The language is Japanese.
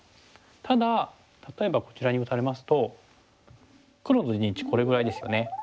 ただ例えばこちらに打たれますと黒の陣地これぐらいですよね。